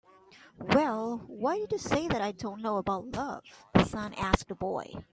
"Well, why did you say that I don't know about love?" the sun asked the boy.